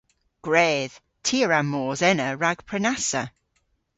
Gwredh. Ty a wra mos ena rag prenassa.